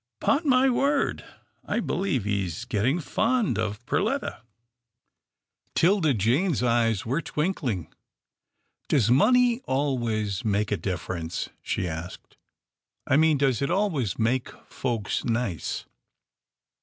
'Pon my word, I believe he's get ting fond of Perletta." 'Tilda Jane's eyes were twinkling. " Does money always make such a difference?" she asked. "I mean does it always make folks nice